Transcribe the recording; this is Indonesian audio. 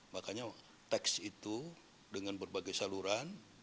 makanya teks itu dengan berbagai saluran